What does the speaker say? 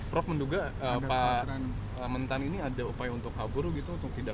prof menduga pak mentan ini ada upaya untuk kabur gitu atau tidak